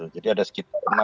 jadi ada sekitar enam